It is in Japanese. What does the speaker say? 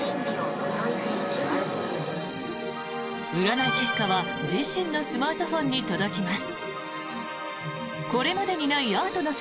占い結果は、自身のスマートフォンに届きます。